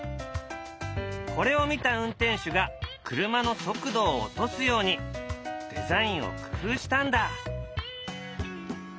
これを見た運転手が車の速度を落とすようにデザインを工夫したんだ。